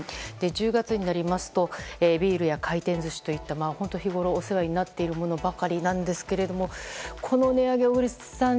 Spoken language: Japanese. １０月になるとビールや回転寿司といった本当に日ごろ、お世話になっているものばかりですがこの値上げ、小栗さん